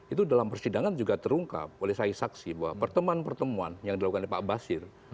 itu dalam persidangan juga terungkap oleh saya saksi bahwa pertemuan pertemuan yang dilakukan oleh pak basir